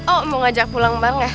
oh mau ngajak pulang bang ya